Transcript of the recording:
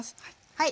はい。